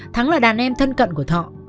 thắng là đàn em thân cận của thọ